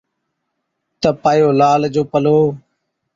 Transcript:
تہ پايو لال جو پلو